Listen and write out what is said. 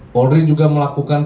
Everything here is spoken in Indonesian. polri juga melakukan